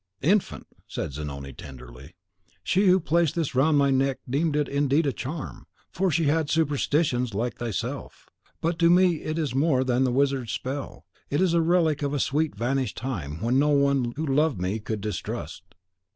"Infant!" said Zanoni, tenderly; "she who placed this round my neck deemed it indeed a charm, for she had superstitions like thyself; but to me it is more than the wizard's spell, it is the relic of a sweet vanished time when none who loved me could distrust."